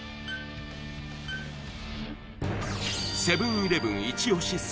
セブン−イレブンイチ押し